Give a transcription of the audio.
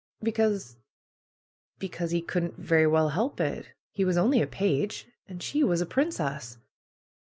^'Because — because he couldn't very well help it. He was only a page, and she was a princess."